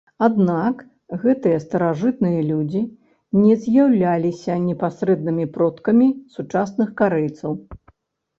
Аднак гэтыя старажытныя людзі не з'яўляліся непасрэднымі продкамі сучасных карэйцаў.